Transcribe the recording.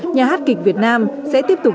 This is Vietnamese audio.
nhà hát kịch việt nam sẽ tiếp tục